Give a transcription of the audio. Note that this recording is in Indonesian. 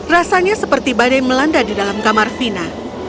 rasanya seperti badai melanda di dalam kamar fina